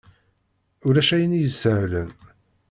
Ulac ayen i isehlen!